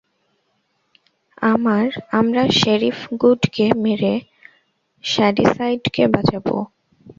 আমরা শেরিফ গুডকে মেরে শ্যাডিসাইডকে বাঁচাবো।